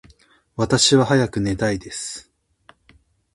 私は早く寝たいです。